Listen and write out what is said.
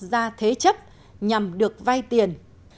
và đất nước ra thế chấp nhằm được vay tiền